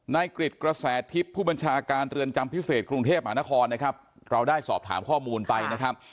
กริจกระแสทิพย์ผู้บัญชาการเรือนจำพิเศษกรุงเทพมหานครนะครับเราได้สอบถามข้อมูลไปนะครับ